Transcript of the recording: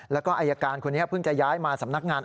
แล้วก็อายการคนนี้เพิ่งจะย้ายมาสำนักงาน